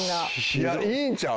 いやいいんちゃう？